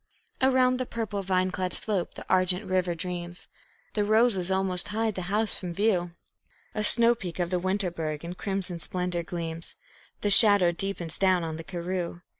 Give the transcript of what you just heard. Around the purple, vine clad slope the argent river dreams; The roses almost hide the house from view; A snow peak of the Winterberg in crimson splendor gleams; The shadow deepens down on the karroo.